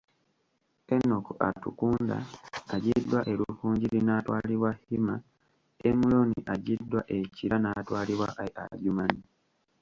Enock Atukunda aggyiddwa e Rukungiri natwalibwa Hima, Emuron aggyiddwa e Kira naatwalibwa e Adjumani.